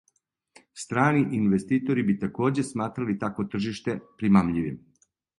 Страни инвеститори би такође сматрали такво тржиште примамљивим.